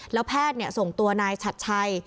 แล้วแพทย์ส่งตัวนายชัดชัย